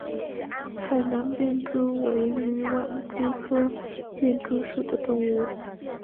海南便蛛为缕网蛛科便蛛属的动物。